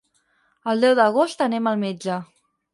El deu d'agost anem al metge.